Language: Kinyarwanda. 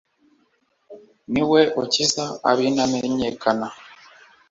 ni we ukuza ab'intamenyekana